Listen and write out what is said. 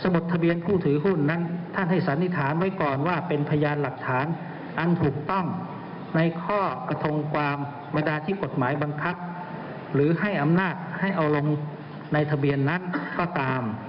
และสถานที่ถามไว้ก่อนว่าเป็นพยานหลักฐานอันถูกต้องในข้อกระทงความมาตราที่ผลหมายบังคัดหรือให้อำนาจให้เอาลงในทะเบียนนั้นก็ตาม